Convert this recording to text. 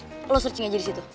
lo searching aja di situ